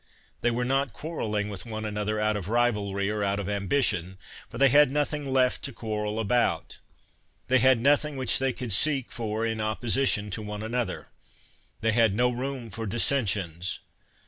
They were not quarreling with one another out of rivalry or out of ambition, for they had nothing left to quarrel about, — ^they had nothing which they could seek for in opposition to one another, — they had no room for dissensions.